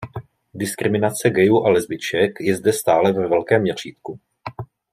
Diskriminace gayů a lesbiček je zde stále ve velkém měřítku.